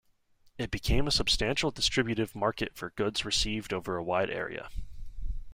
It became a substantial distributive market for goods received over a wide area.